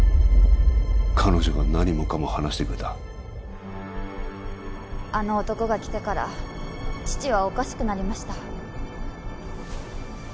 彼女が何もかも話してくれたあの男が来てから父はおかしくなりました